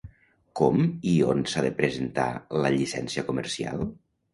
Com i on s'ha de presentar la Llicència Comercial?